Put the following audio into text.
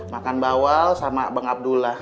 makan bawal sama bang abdullah